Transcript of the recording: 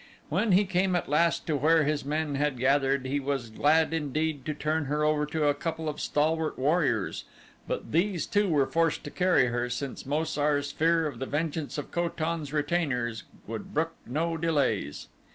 When he came at last to where his men had gathered he was glad indeed to turn her over to a couple of stalwart warriors, but these too were forced to carry her since Mo sar's fear of the vengeance of Ko tan's retainers would brook no delays.